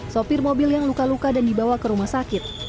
sopir mobil yang luka luka dan dibawa ke rumah sakit